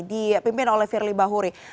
di pimpin oleh firly bahuri